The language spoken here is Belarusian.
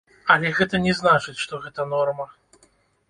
Але гэта не значыць, што гэта норма.